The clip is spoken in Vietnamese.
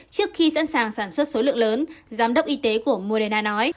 trước khi sẵn sàng sản xuất số lượng lớn